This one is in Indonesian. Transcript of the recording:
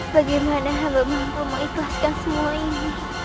bagaimana halemanku mengikhlaskan semua ini